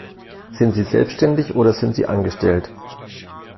Sind sie selbstständig oder sind sie Angestellt?